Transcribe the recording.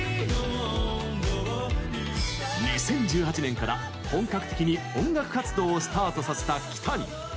２０１８年から、本格的に音楽活動をスタートさせたキタニ。